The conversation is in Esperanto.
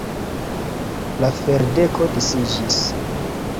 La ferdeko disiĝis.